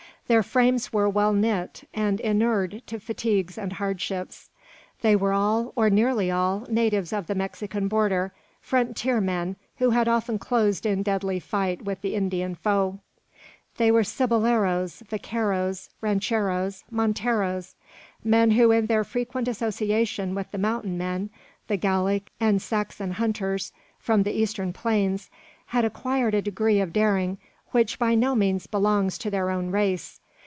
Their frames were well knit, and inured to fatigues and hardships. They were all, or nearly all, natives of the Mexican border, frontier men, who had often closed in deadly fight with the Indian foe. They were ciboleros, vaqueros, rancheros, monteros; men who in their frequent association with the mountain men, the Gallic and Saxon hunters from the eastern plains, had acquired a degree of daring which by no means belongs to their own race.